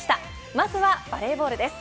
まずはバレーボールです。